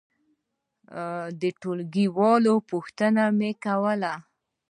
د ټولګي والو پوښتنه مې کوله.